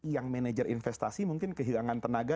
yang manajer investasi mungkin kehilangan tenaga